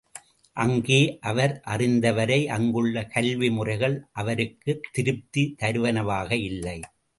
அங்கே அவர் அறிந்தவரை அங்குள்ள கல்வி முறைகள் அவருக்குத் திருப்தி தருவனவாக இல்லை.